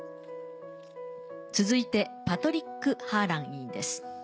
続いてパトリック・ハーラン委員です。